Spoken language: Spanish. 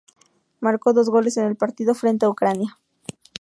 Marcó dos goles en el partido frente Ucrania.